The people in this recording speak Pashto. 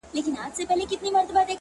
مثبت چلند ستونزې سپکوي